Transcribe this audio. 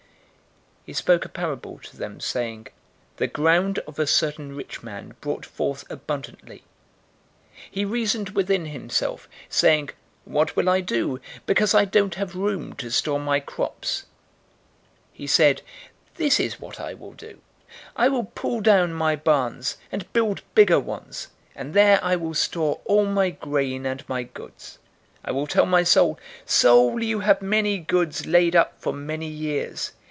012:016 He spoke a parable to them, saying, "The ground of a certain rich man brought forth abundantly. 012:017 He reasoned within himself, saying, 'What will I do, because I don't have room to store my crops?' 012:018 He said, 'This is what I will do. I will pull down my barns, and build bigger ones, and there I will store all my grain and my goods. 012:019 I will tell my soul, "Soul, you have many goods laid up for many years.